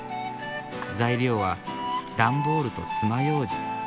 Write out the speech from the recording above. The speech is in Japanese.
材料はダンボールと爪ようじ。